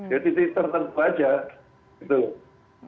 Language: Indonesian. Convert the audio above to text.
jadi titik tertentu aja gitu loh